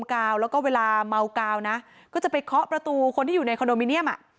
แล้วก็เวลาเมากาวนะก็จะไปเคาะประตูคนที่อยู่ในคอนโดมิเนียม